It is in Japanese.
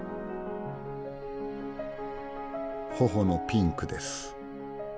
頬のピンクです。